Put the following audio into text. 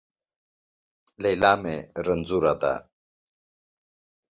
ليلا مې رنځونه ده